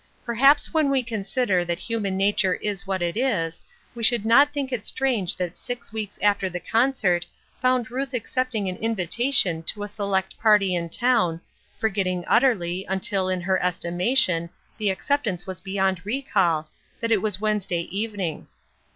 Perhaps when we consider that human nature is what it is, we should not think it strange that six weeks after the concert found Ruth accepting an invitation to a select party in town, forgetting utterl}^, until, in her estimation, the acceptance was beyond recall, that it was Wed nesday evening.